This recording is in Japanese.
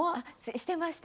していました。